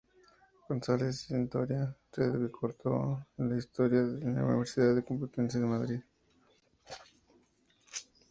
González-Hontoria se doctoró en Historia en la Universidad Complutense de Madrid.